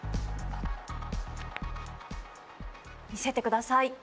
見せてください。